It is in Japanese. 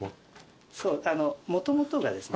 もともとがですね